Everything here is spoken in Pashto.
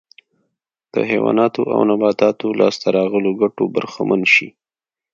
د حیواناتو او نباتاتو لاسته راغلو ګټو برخمن شي